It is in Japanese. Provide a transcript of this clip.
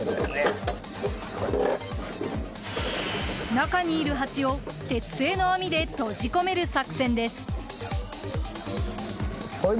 中にいるハチを鉄製の網で閉じ込める作戦です。